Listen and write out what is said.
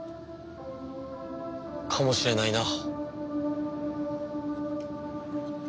かもしれないな。